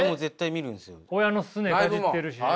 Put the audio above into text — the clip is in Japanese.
親のすねかじってるしね。